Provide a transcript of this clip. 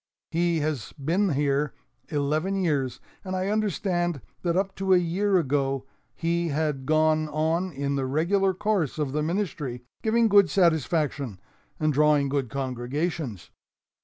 He has been here eleven years, and I understand that up to a year ago he had gone on in the regular course of the ministry, giving good satisfaction and drawing good congregations.